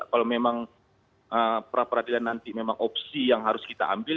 kalau memang pra peradilan nanti memang opsi yang harus kita ambil